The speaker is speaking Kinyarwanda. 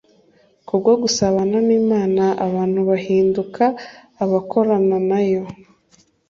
Kubwo gnsabana n'Imana, abantu bahinduka abakorana na yo,